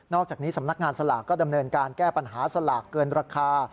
อกจากนี้สำนักงานสลากก็ดำเนินการแก้ปัญหาสลากเกินราคา